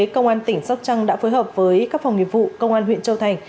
công an tỉnh sóc trăng đã phối hợp với các phòng nghiệp vụ công an huyện châu thành